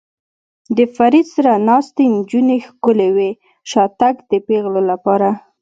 له فرید سره ناستې نجونې ښکلې وې، شاتګ د پېغلو لپاره.